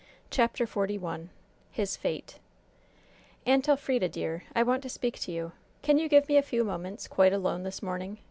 CHAPTER XLI HIS FATE "Aunt Elfrida, dear, I want to speak to you. Can you give me a few moments, quite alone, this morning?"